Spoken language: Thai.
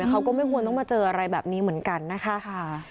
แต่เขาก็ไม่ควรต้องมาเจออะไรแบบนี้เหมือนกันนะคะ